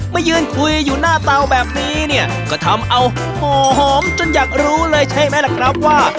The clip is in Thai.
มายืนคุยอยู่หน้าเตาแบบนี้เนี่ยก็ทำเอาหอมจนอยากรู้เลยใช่ไหมล่ะครับว่า